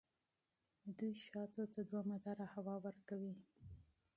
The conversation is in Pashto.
دوی شاتو ته دوامداره هوا ورکوي.